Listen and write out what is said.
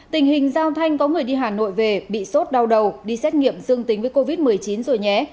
tình hình giao thanh có người đi hà nội về bị sốt đau đầu đi xét nghiệm dương tính với covid một mươi chín rồi nhé